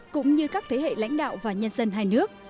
cũng như các thế hệ lãnh đạo và nhân dân hai nước